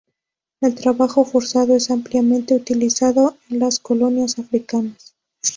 El trabajo forzado es ampliamente utilizado en las colonias africanas.